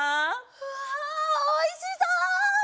うわおいしそう！